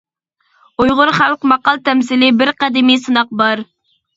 ئۇيغۇر خەلق ماقال تەمسىلى بىر قەدىمىي سىناق بار.